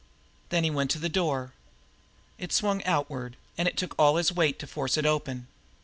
Then he went to the door. It swung outward, and it took all his weight to force it open.